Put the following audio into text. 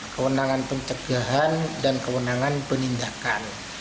kewenangan pencegahan dan kewenangan penindakan